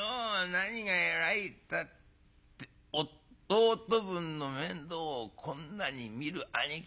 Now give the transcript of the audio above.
何が偉いったって弟分の面倒をこんなに見る兄貴